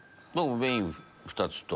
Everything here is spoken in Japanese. メイン２つと。